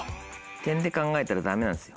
点で考えたらダメなんですよ